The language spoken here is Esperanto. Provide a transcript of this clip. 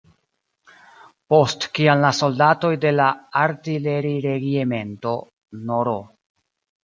Post kiam la soldatoj de la Artileriregiemento nr.